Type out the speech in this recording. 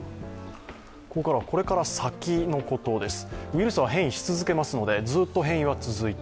ここからはこれから先のことです。